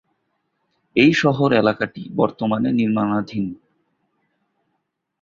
এই শহর এলাকাটি বর্তমানে নির্মাণাধী।